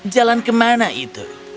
jalan ke mana itu